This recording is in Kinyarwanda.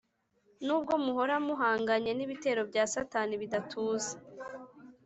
nubwo muhora muhanganye n ibitero bya Satani bidatuza